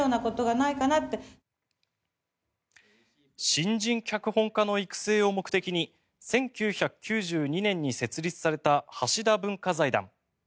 新人脚本家の育成を目的に１９９２年に設立された橋田文化財団。